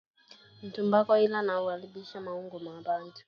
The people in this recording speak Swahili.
Ntumbako iko na aribisha maungu ya bantu